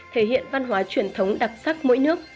thể hiện văn hóa truyền thống đặc sắc mỗi nước